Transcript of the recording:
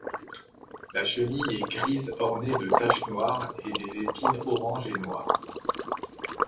La chenille est grise ornée de taches noire et des épines orange et noires.